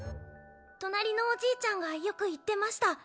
隣のおじいちゃんがよく言ってました。